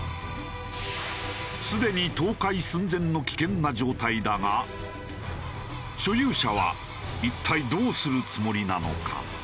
すでに倒壊寸前の危険な状態だが所有者は一体どうするつもりなのか？